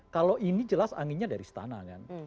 kalau ini jelas anginnya dari istana kan